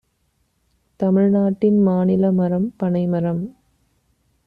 தமிழ்நாட்டின் மாநில மரம் பனைமரம்